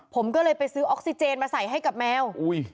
ผมก็เลยไปซื้อออกซิเจนมาใส่ให้กับแมว